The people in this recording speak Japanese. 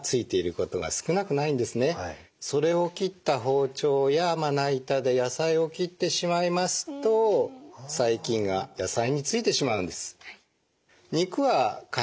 それを切った包丁やまな板で野菜を切ってしまいますと細菌が野菜についてしまうんです。